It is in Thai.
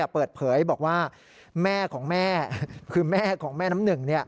เปิดเผยบอกว่าแม่ของแม่คือแม่ของแม่น้ำหนึ่ง